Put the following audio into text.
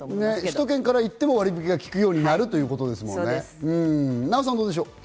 首都圏から行っても割引が効くようになるということですもんね。